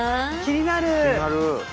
気になる！